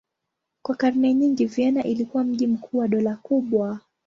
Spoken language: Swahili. Kwa karne nyingi Vienna ilikuwa mji mkuu wa dola kubwa.